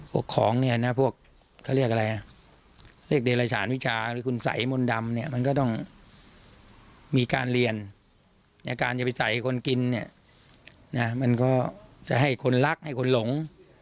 ของเนี่ยนะพวกเขาเรียกอะไรอ่ะเรียกเดรฐานวิชาหรือคุณสัยมนต์ดำเนี่ยมันก็ต้องมีการเรียนในการจะไปใส่คนกินเนี่ยนะมันก็จะให้คนรักให้คนหลง